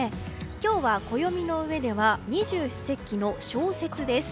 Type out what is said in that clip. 今日は暦のうえでは二十四節気の小雪です。